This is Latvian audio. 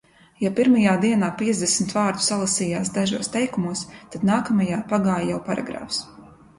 Ja pirmajā dienā piecdesmit vārdu salasījās dažos teikumos, tad nākamajā pagāja jau paragrāfs.